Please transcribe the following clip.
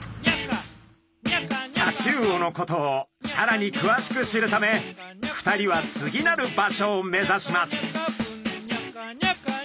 タチウオのことをさらにくわしく知るため２人は次なる場所を目指します。